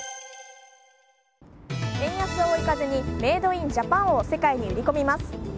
円安を追い風にメイド・イン・ジャパンを世界に売り込みます。